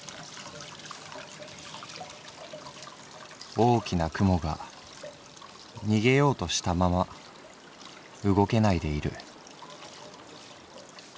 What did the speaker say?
「大きな蜘蛛が逃げようとしたまま動けないでいる」。